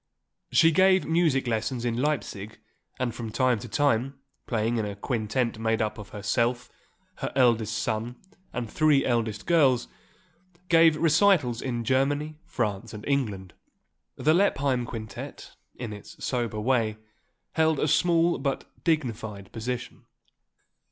She gave music lessons in Leipsig and from time to time, playing in a quintet made up of herself, her eldest son and three eldest girls, gave recitals in Germany, France and England. The Lippheim quintet, in its sober way, held a small but dignified position.